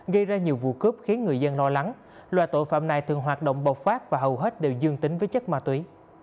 gây ra nhiều vụ cướp khiến người dân lo lắng loại tội phạm này thường hoạt động bộc phát và hầu hết đều dương tính với chất ma túy